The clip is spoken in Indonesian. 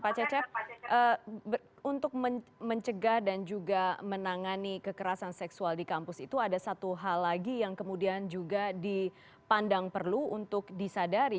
pak cecep untuk mencegah dan juga menangani kekerasan seksual di kampus itu ada satu hal lagi yang kemudian juga dipandang perlu untuk disadari